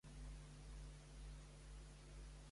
Cada dues hores vull un recordatori per menjar pipes.